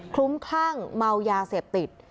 ลุ้มคลั่งเมายาเสพติด